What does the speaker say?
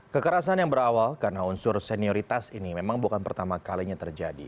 kekerasan yang berawal karena unsur senioritas ini memang bukan pertama kalinya terjadi